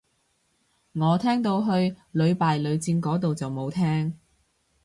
我聽到去屢敗屢戰個到就冇聽